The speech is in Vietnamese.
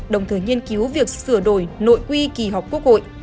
đồng thời nghiên cứu việc sửa đổi nội quy kỳ họp quốc hội